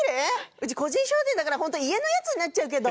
うち個人商店だからホント家のやつになっちゃうけど。